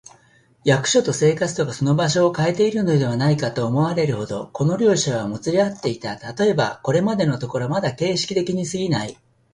役所と生活とがその場所をかえているのではないか、と思われるほど、この両者はもつれ合っていた。たとえば、これまでのところはただ形式的にすぎない、